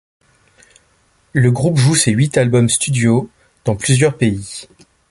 Le groupe joue ses huit albums studio dans plusieurs pays.